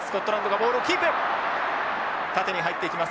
縦に入っていきます